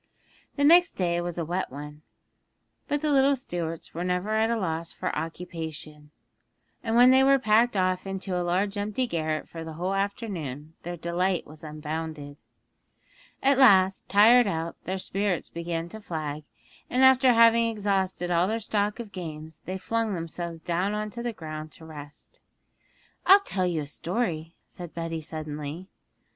The next day was a wet one, but the little Stuarts were never at a loss for occupation, and when they were packed off into a large empty garret for the whole afternoon their delight was unbounded. At last, tired out, their spirits began to flag, and after having exhausted all their stock of games they flung themselves down on the ground to rest. 'I'll tell you a story,' said Betty suddenly.